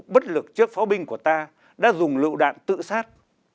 bất lực trước pháo binh của ta đã dùng lựu đạn tự sát